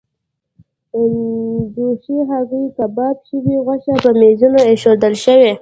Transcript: جوشې هګۍ، کباب شوې غوښه پر میزونو ایښودل شوې.